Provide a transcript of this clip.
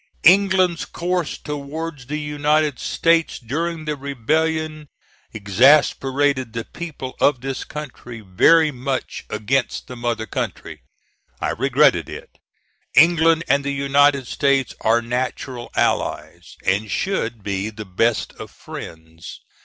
England's course towards the United States during the rebellion exasperated the people of this country very much against the mother country. I regretted it. England and the United States are natural allies, and should be the best of friends.